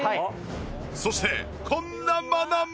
そしてこんなものも！